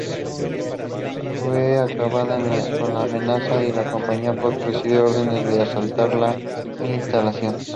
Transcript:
Para acabar con la amenaza, la compañía Fox recibe órdenes de asaltar la instalación.